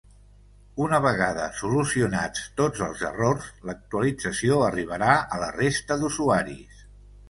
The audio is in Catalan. Una vegada solucionats tots els errors, l’actualització arribarà a la resta d’usuaris.